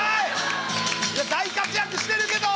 いや大活躍してるけど！